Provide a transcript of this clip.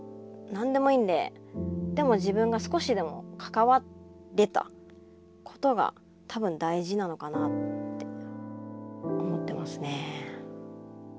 何でもいいんででも自分が少しでも関われたことが多分大事なのかなって思ってますね。